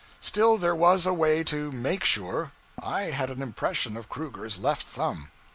Still, there was a way to _make _sure. I had an impression of Kruger's left thumb.